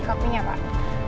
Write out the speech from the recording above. ini kopinya pak